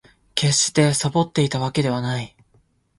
決してサボっていたわけではない